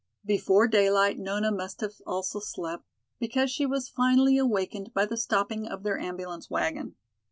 Before daylight Nona must have also slept, because she was finally awakened by the stopping of their ambulance wagon.